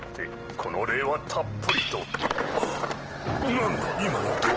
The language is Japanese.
なんだ今の音は？